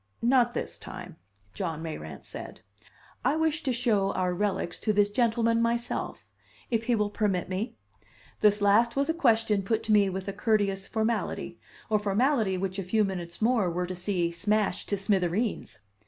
"Not this time," John Mayrant said. "I wish to show our relics to this gentleman myself if he will permit me?" This last was a question put to me with a courteous formality, a formality which a few minutes more were to see smashed to smithereens.